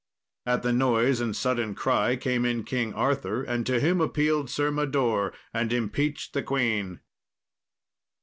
At the noise and sudden cry came in King Arthur, and to him appealed Sir Mador, and impeached the queen.